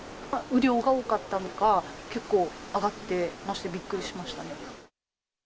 雨量が多かったのか、結構上がってまして、びっくりしましたね。